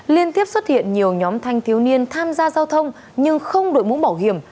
liên tiếp xuất hiện nhiều nhóm thanh thiếu niên tham gia giao thông nhưng không đội mũ bảo hiểm